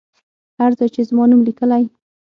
هر ځای چې زما نوم لیکلی.